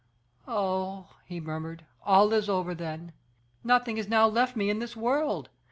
"Oh!" he murmured, "all is over, then. Nothing is now left me in this world.